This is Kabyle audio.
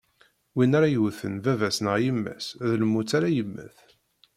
Win ara yewten baba-s neɣ yemma-s, d lmut ara yemmet.